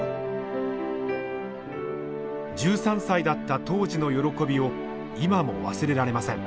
１３歳だった当時の喜びを今も忘れられません。